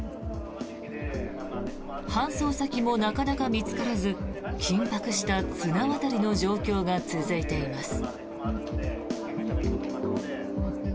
搬送先もなかなか見つからず緊迫した綱渡りの状況が続いています。